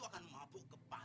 makasih para pengacara